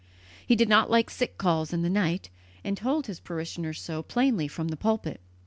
He did not like sick calls in the night, and told his parishioners so plainly from the pulpit.